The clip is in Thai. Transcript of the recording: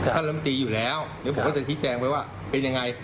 ลำตีอยู่แล้วเดี๋ยวผมก็จะชี้แจงไปว่าเป็นยังไง